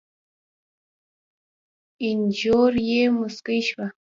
اينږور يې موسکۍ شوه.